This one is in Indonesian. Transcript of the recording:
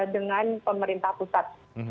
dengan pemerintah pusat